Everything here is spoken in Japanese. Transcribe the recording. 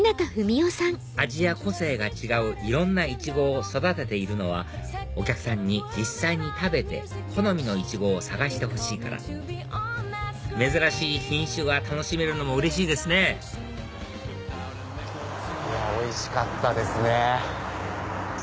味や個性が違ういろんなイチゴを育てているのはお客さんに実際に食べて好みのイチゴを探してほしいから珍しい品種が楽しめるのもうれしいですねおいしかったですね。